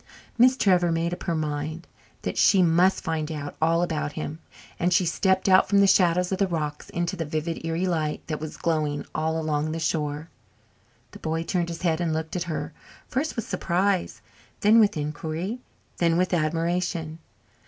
Miss Trevor made up her mind that she must find out all about him, and she stepped out from the shadows of the rocks into the vivid, eerie light that was glowing all along the shore. The boy turned his head and looked at her, first with surprise, then with inquiry, then with admiration.